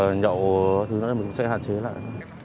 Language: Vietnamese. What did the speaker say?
nhậu thì mình sẽ hạn chế lại